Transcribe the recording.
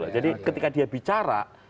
jadi ketika dia bicara